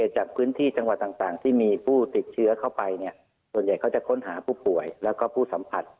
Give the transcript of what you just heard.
จากพื้นที่จังหวัดต่างที่มีผู้ติดเชื้อเข้าไปส่วนใหญ่เขาจะค้นหาผู้ป่วยแล้วก็ผู้สัมผัส